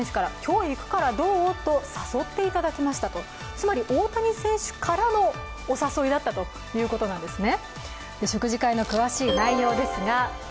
つまり大谷選手からのお誘いだったということなんですね。